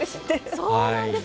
そうなんです。